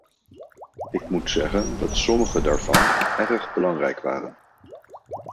Ik moet zeggen dat sommige daarvan erg belangrijk waren.